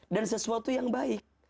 dan sesuatu yang baik